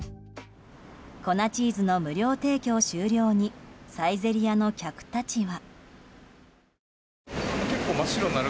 粉チーズの無料提供終了にサイゼリヤの客たちは。